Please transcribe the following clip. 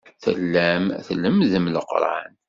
Tellam tlemmdem Leqran.